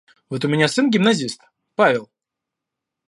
Вот у меня сын гимназист – Павел